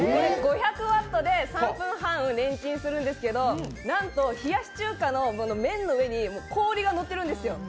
５００ワットで３分半レンチンするんですけど、なんと冷やし中華の麺の上に氷がのっているんですよ。